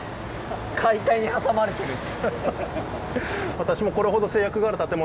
解体に挟まれてる。